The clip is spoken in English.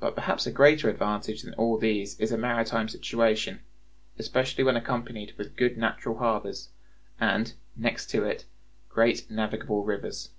But perhaps a greater advantage than all these is a maritime situation, especially when accompanied with good natural harbors; and, next to it, great navigable rivers.